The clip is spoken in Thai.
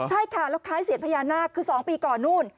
ใช่ค่ะแล้วคล้ายเสียญพญานาคคือ๒ปีก่อนนู่น